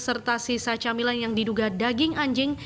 serta sisa camilan yang diduga daging anjing